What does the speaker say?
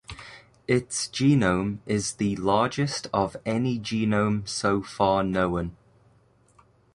Its genome is the largest of any genome so far known.